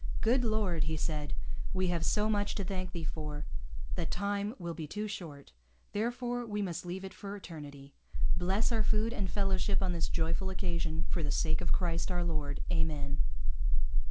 'Good Lord!' he said, 'we have so much to thank Thee for, that Time will be too short. Therefore we must leave it for Eternity. Bless our food and fellowship on this joyful occasion, for the sake of Christ our Lord. Amen!'